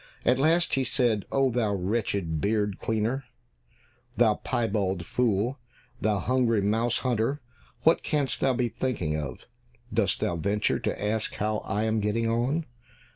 At last he said, "Oh, thou wretched beard cleaner, thou piebald fool, thou hungry mouse hunter, what canst thou be thinking of? Dost thou venture to ask how I am getting on?